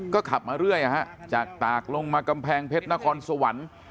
ก็ขับมาเรื่อยจากตากลงมากำแพงเพชรนครสวรรค์